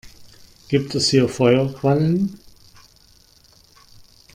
Gibt es hier Feuerquallen?